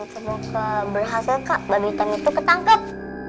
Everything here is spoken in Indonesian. semoga berhasil kak babi hitam itu ketangkep